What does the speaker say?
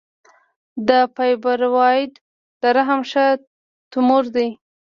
د فایبروایډ د رحم ښه تومور دی.